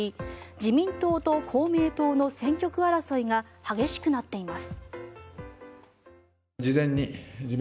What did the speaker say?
自民党と公明党の選挙区争いが激しくなっています。